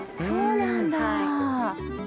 そうなんだ。